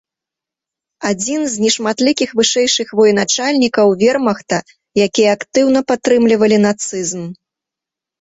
Адзін з нешматлікіх вышэйшых военачальнікаў вермахта, якія актыўна падтрымлівалі нацызм.